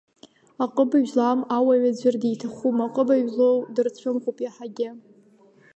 Аҟыбаҩ злам ауаҩ аӡәыр диҭахума, аҟыбаҩ злоу дырцәымӷуп иаҳагьы.